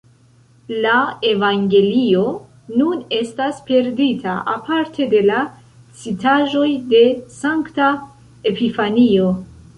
La evangelio nun estas perdita, aparte de la citaĵoj de sankta Epifanio.